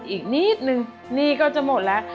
อีกนิดนึงหนี้ก็จะหมดแล้ว